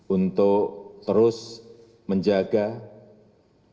untuk terus menjaga terus menjaga